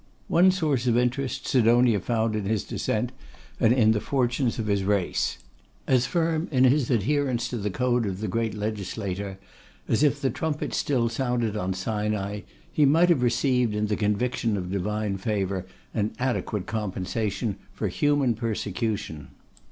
One source of interest Sidonia found in his descent and in the fortunes of his race. As firm in his adherence to the code of the great Legislator as if the trumpet still sounded on Sinai, he might have received in the conviction of divine favour an adequate compensation for human persecution.